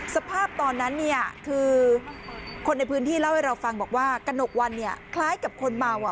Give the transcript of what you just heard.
สภาพตอนนั้นเนี่ยคือคนในพื้นที่เล่าให้เราฟังบอกว่ากระหนกวันเนี่ยคล้ายกับคนเมาอ่ะ